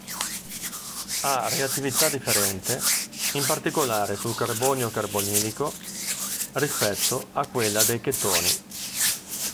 Ha reattività differente, in particolare sul carbonio carbonilico, rispetto a quella dei chetoni.